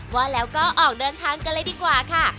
ว่าแล้วก็ออกเดินทางกันเลยดีกว่าค่ะ